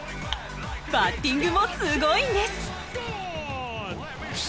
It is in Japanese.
バッティングもすごいんです！